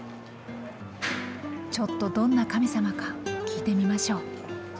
ちょっとどんな神様か聞いてみましょう。